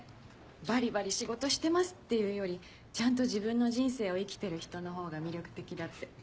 バリバリ仕事してますっていうよりちゃんと自分の人生を生きてる人の方が魅力的だって。